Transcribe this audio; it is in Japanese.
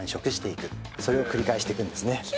それを繰り返していくんですね。